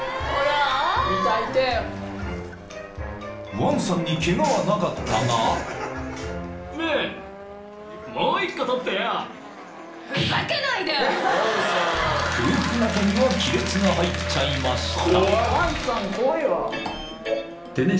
［王さんにケガはなかったが］ねえ。［夫婦仲には亀裂が入っちゃいました］